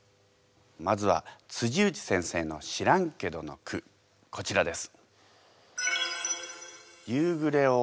まずは内先生の「知らんけど」の句こちらです。